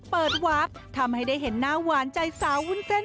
เปิดวัพฯทำให้ได้เห็นหน้าหวานใจสาววุนเซ็น